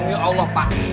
ya tuhan pak